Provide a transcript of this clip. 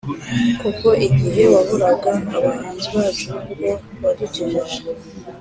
Koko, igihe wahoraga abanzi bacu, ni bwo wadukijije,